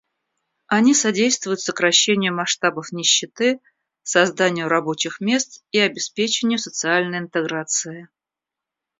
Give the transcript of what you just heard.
Они содействуют сокращению масштабов нищеты, созданию рабочих мест и обеспечению социальной интеграции.